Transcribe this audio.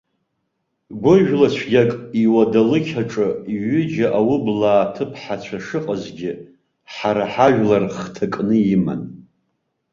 Гәыжәлацәгьак, иуадалықь аҿы ҩыџьа аублаа ҭыԥҳацәа шыҟазгьы, ҳара ҳажәлар хҭакны иман.